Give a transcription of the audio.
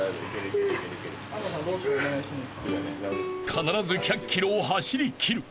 ［必ず１００ｋｍを走りきる］